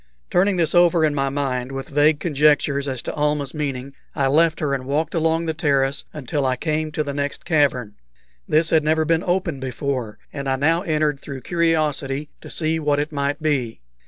Turning this over in my mind, with vague conjectures as to Almah's meaning, I left her and walked along the terrace until I came to the next cavern. This had never been open before, and I now entered through curiosity to see what it might be.